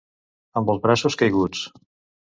Amb els braços caiguts.